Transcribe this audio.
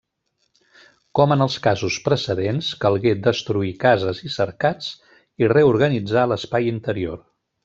Com en els casos precedents, calgué destruir cases i cercats i reorganitzar l'espai interior.